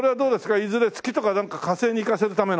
いずれ月とかなんか火星に行かせるための？